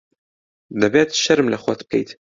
دەبێت شەرم لە خۆت بکەیت.